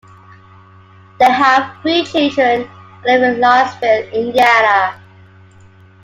They have three children and live in Zionsville, Indiana.